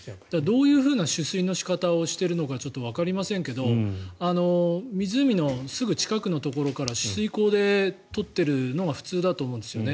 どういう取水の仕方をしているのかちょっとわかりませんが湖のすぐ近くのところから取水口で取っているのが普通だと思うんですね。